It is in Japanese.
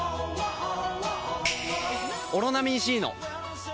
「オロナミン Ｃ」の！